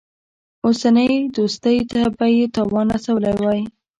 اوسنۍ دوستۍ ته به یې تاوان رسولی وای.